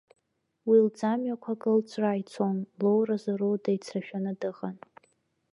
Уи лӡамҩақәа кылҵәраан ицон, лоуразоуроу деицрашәаны дыҟан.